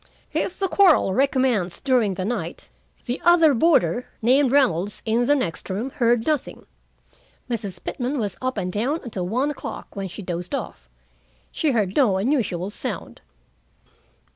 If the quarrel recommenced during the night, the other boarder, named Reynolds, in the next room, heard nothing. Mrs. Pitman was up and down until one o'clock, when she dozed off. She heard no unusual sound.